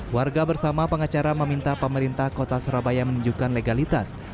warga bersama pengacara meminta pemerintah kota surabaya menunjukkan legalitas